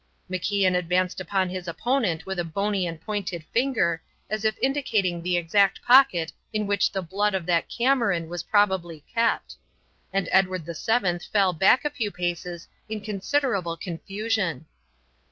MacIan advanced upon his opponent with a bony and pointed finger, as if indicating the exact pocket in which the blood of that Cameron was probably kept; and Edward VII fell back a few paces in considerable confusion.